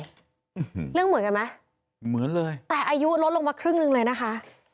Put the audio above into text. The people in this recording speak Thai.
เรื่องเหมือนกันไหมเหมือนเลยแต่อายุลดลงมาครึ่งหนึ่งเลยนะคะ